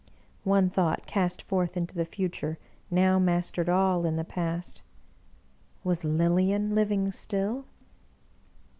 One thought cast forth into the future now mastered all in the past :" Was Lilian living still